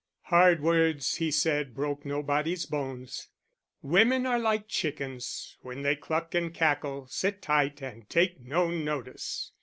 Hard words, he said, broke nobody's bones "Women are like chickens, when they cluck and cackle sit tight and take no notice!"